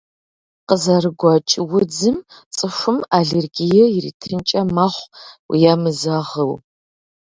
Къызэрыгуэкӏ удзым цӏыхум аллергие къритынкӏэ мэхъу, емызэгъыу.